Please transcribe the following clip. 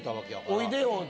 おいでよって。